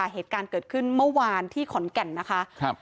เหตุการณ์เกิดขึ้นเมื่อวานที่ขอนแก่นนะคะ